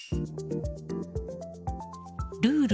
ルール